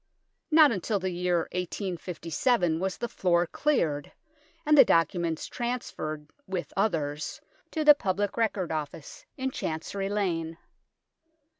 Not until the year 1857 was tne floor cleared, and the documents transferred, with others, to the Public Record Office in Chancery Lane.